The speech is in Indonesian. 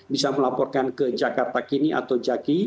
bisa melaporkan ke jakarta kini atau jaki